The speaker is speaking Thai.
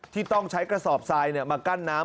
ที่ต้องใช้กระสอบทรายมากั้นน้ำ